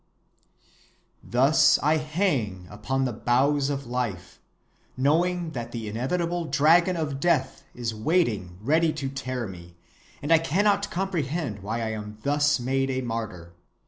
"Thus I hang upon the boughs of life, knowing that the inevitable dragon of death is waiting ready to tear me, and I cannot comprehend why I am thus made a martyr.